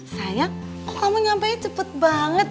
sayang kamu nyampenya cepet banget